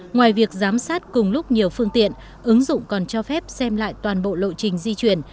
ngoài việc giám sát cùng lúc nhiều phương tiện ứng dụng còn cho phép xem lại toàn bộ lộ trình di chuyển